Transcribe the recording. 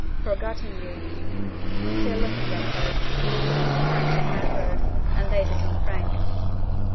"Forgotten you?" Still looking at her, he lifted his hand with an effort, and laid it on Frank.